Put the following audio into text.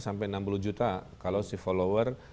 sampai enam puluh juta kalau si follower